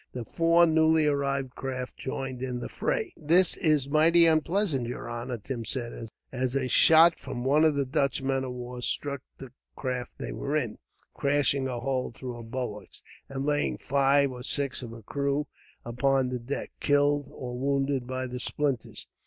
The four newly arrived craft joined in the fray. "This is mighty unpleasant, yer honor," Tim said, as a shot from one of the Dutch men of war struck the craft they were in, crashing a hole through her bulwarks, and laying five or six of her crew upon the deck, killed or wounded by the splinters.